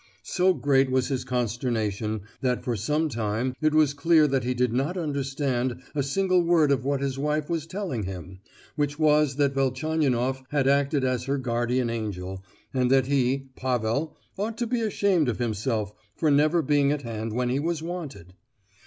So great was his consternation, that for some time it was clear that he did not understand a single word of what his wife was telling him—which was that Velchaninoff had acted as her guardian angel, and that he (Pavel) ought to be ashamed of himself for never being at hand when he was wanted.